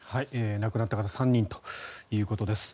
亡くなった方３人ということです。